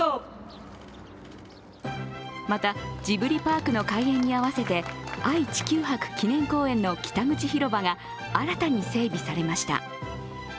また、ジブリパークの開園に合わせて愛・地球博記念公園の北口広場が新たに整備されました。